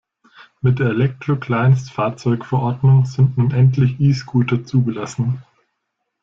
Mit der Elektrokleinstfahrzeugeverordnung sind nun endlich E-Scooter zugelassen.